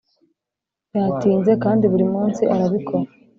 yatinze kandi buri munsi arabikora.